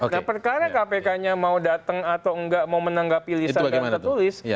nah perkara kpk nya mau datang atau nggak mau menanggapi lisan atau tulis